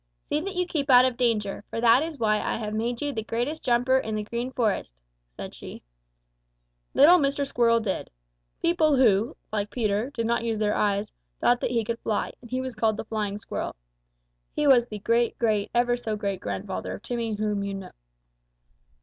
'See that you keep out of danger, for that is why I have made you the greatest jumper in the Green Forest,' said she. "Little Mr. Squirrel did. People who, like Peter, did not use their eyes, thought that he could fly, and he was called the Flying Squirrel. He was the great great ever so great grandfather of Timmy whom you both know."